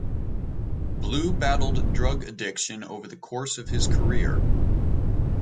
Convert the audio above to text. Blue battled drug addiction over the course of his career.